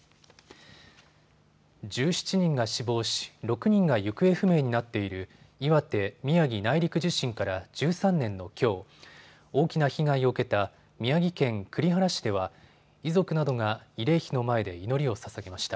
１７人が死亡し、６人が行方不明になっている岩手・宮城内陸地震から１３年のきょう、大きな被害を受けた宮城県栗原市では遺族などが慰霊碑の前で祈りをささげました。